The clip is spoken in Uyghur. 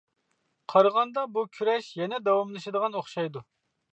قارىغاندا بۇ كۈرەش يەنە داۋاملىشىدىغان ئوخشايدۇ.